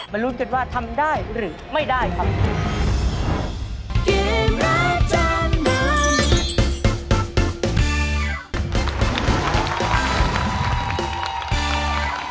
มารู้เจอว่าทำได้หรือไม่ได้ครับ